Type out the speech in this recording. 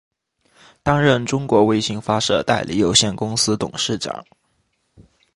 担任中国卫星发射代理有限公司董事长。